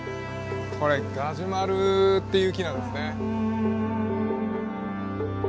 これガジュマルっていう木なんですね。